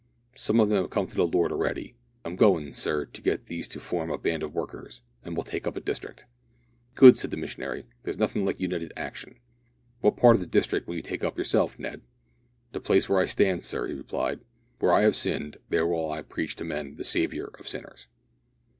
Some of them have come to the Lord already. I'm goin', sir, to get these to form a band of workers, and we'll take up a district." "Good," said the missionary, "there's nothing like united action. What part of the district will you take up yourself, Ned?" "The place where I stand, sir," he replied. "Where I have sinned there will I preach to men the Saviour of sinners."